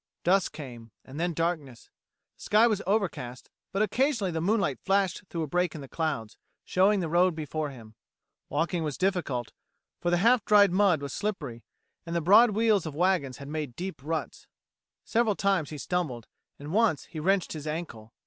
Dusk came, and then darkness. The sky was overcast, but occasionally the moonlight flashed through a break in the clouds, showing the road before him. Walking was difficult, for the half dried mud was slippery, and the broad wheels of wagons had made deep ruts. Several times he stumbled, and once he wrenched his ankle.